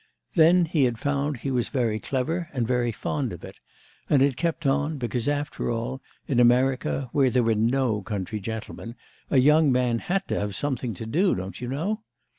Then he had found he was very clever and very fond of it, and had kept on because after all, in America, where there were no country gentlemen, a young man had to have something to do, don't you know?